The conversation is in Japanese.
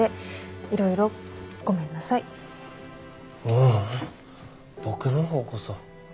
ううん僕の方こそ。